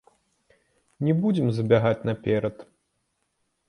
Не будзем забягаць наперад.